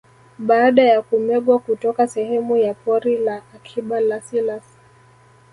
Baada ya kumegwa kutoka sehemu ya Pori la Akiba la Selous